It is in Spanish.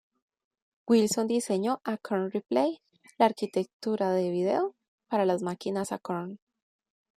Wilson diseñó Acorn Replay, la arquitectura de vídeo para las máquinas Acorn.